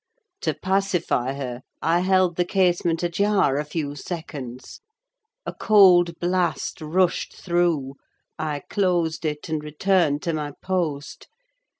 To pacify her I held the casement ajar a few seconds. A cold blast rushed through; I closed it, and returned to my post.